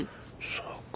そうか。